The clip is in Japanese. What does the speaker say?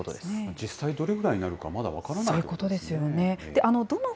実際、どれぐらいになるか、まだ分からないということですね。